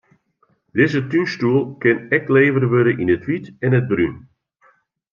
Dizze túnstoel kin ek levere wurde yn it wyt en it brún.